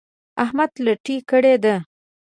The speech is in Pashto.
احمد لټي کړې ده.